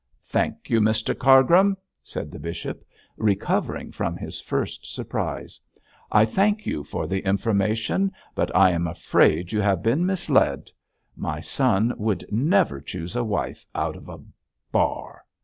'Thank you, Mr Cargrim,' said the bishop, recovering from his first surprise. 'I thank you for the information, but I am afraid you have been misled. My son would never choose a wife out of a bar.'